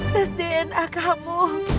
tes dna kamu